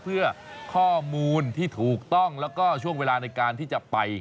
เพื่อข้อมูลที่ถูกต้องแล้วก็ช่วงเวลาในการที่จะไป